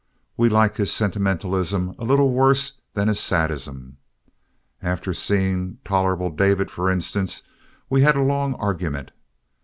We like his sentimentalism a little worse than his sadism. After seeing "Tol'able David," for instance, we had a long argument.